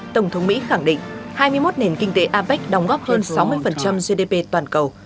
tổng thống mỹ khẳng định hai mươi một nền kinh tế apec đóng góp hơn sáu mươi gdp toàn cầu